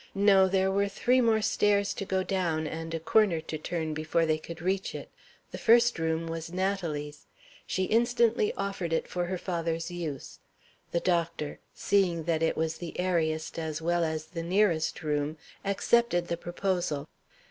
No; there were three more stairs to go down, and a corner to turn, before they could reach it. The first room was Natalie's. She instantly offered it for her father's use. The doctor (seeing that it was the airiest as well as the nearest room) accepted the proposal.